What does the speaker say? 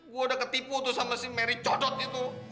gue udah ketipu tuh sama si merry codot itu